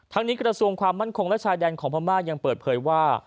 นี้กระทรวงความมั่นคงและชายแดนของพม่ายังเปิดเผยว่า